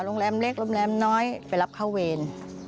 โรงแรมเล็กโรงแรมน้อยไปรับเข้าเวร